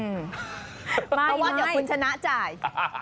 เพราะว่าเดี๋ยวคุณชนะจ่าย